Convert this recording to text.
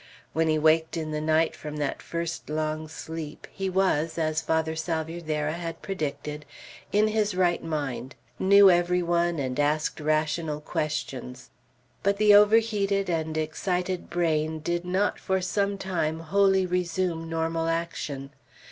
When he waked in the night from that first long sleep, he was, as Father Salvierderra had predicted, in his right mind; knew every one, and asked rational questions. But the over heated and excited brain did not for some time wholly resume normal action.